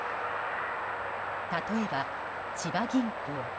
例えば、千葉銀行。